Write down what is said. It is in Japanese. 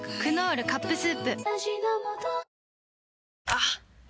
あっ！